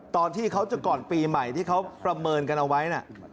ตอนที่เขาจะก่อนปีใหม่ที่เขาประเมินกันเอาไว้นะ